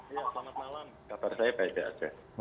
ya selamat malam kabar saya baik baik saja